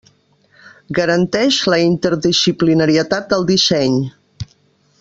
Garanteix la interdisciplinarietat del disseny.